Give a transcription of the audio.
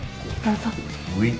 どうぞ。